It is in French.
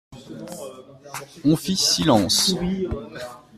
On fit silence.